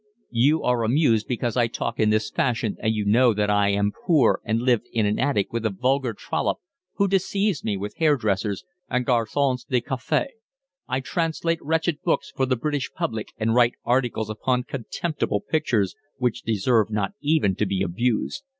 "You are amused because I talk in this fashion and you know that I am poor and live in an attic with a vulgar trollop who deceives me with hair dressers and garcons de cafe; I translate wretched books for the British public, and write articles upon contemptible pictures which deserve not even to be abused.